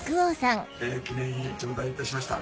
記念品頂戴いたしました。